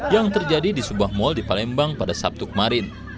yang terjadi di sebuah mal di palembang pada sabtu kemarin